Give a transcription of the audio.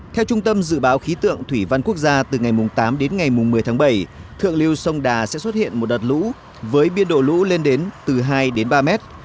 theo trung tâm dự báo khí tượng thủy văn quốc gia từ ngày tám đến ngày một mươi tháng bảy thượng lưu sông đà sẽ xuất hiện một đợt lũ với biên độ lũ lên đến từ hai đến ba mét